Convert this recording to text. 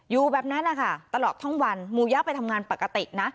อยู่แบบนั้นนะคะตลอดทั้งวันมูยะไปทำงานปกตินะ